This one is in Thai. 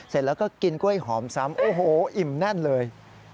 เสร็จแล้วก็กินกล้วยหอมซ้ำโอ้โหอิ่มแน่นเลย